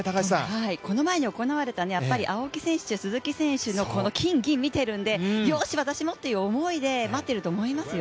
この前に行われた青木選手、鈴木選手のこの金銀を見ているのでよし、私もという思いで待っていると思いますよ。